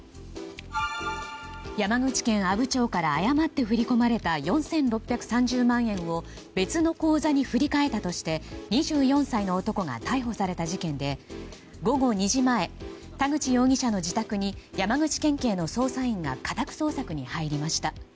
山口県阿武町から誤って振り込まれた４６３０万円を別の口座に振り替えたとして２４歳の男が逮捕された事件で午後２時前田口容疑者の自宅に山口県警の捜査員が家宅捜索に入りました。